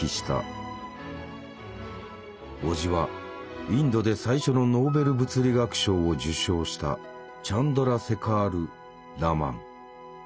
叔父はインドで最初のノーベル物理学賞を受賞したチャンドラセカール・ラマン。